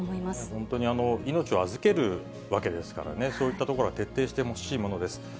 本当に命を預けるわけですからね、そういったところは徹底してほしいものです。